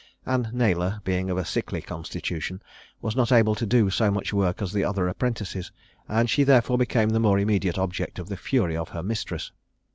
Anne Naylor, being of a sickly constitution, was not able to do so much work as the other apprentices, and she therefore became the more immediate object of the fury of her mistress.